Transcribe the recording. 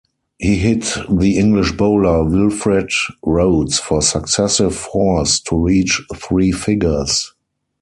He hit the English bowler Wilfred Rhodes for successive fours to reach three figures.